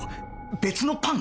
別のパン！？